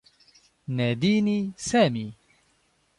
ناديني سامي.